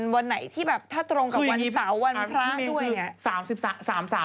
วันไหนที่แบบถ้าตรงกับวันเสาร์วันพระด้วย